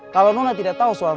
kalau nona tidak tahu itu apa apa